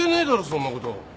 そんなこと。